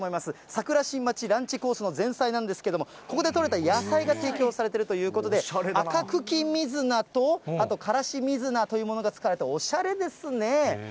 桜新町ランチコースの前菜なんですけども、ここで取れた野菜が提供されてるということで、赤茎水菜とあとからし水菜というものが使われて、おしゃれですね。